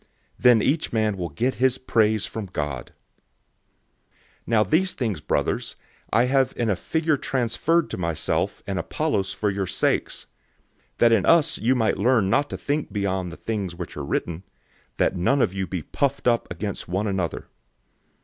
Then each man will get his praise from God. 004:006 Now these things, brothers, I have in a figure transferred to myself and Apollos for your sakes, that in us you might learn not to think beyond the things which are written, that none of you be puffed up against one another.